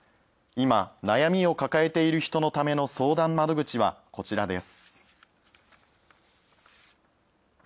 今、悩みを抱えている人のための相談窓口はこちらです。